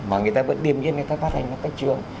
mà người ta vẫn điêm nhiên